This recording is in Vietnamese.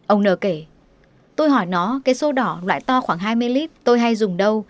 ông nờ kể tôi hỏi nó cái xô đỏ loại to khoảng hai mươi lit tôi hay dùng đâu